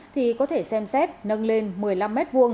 thì có thể xem xét nâng lên một mươi năm m hai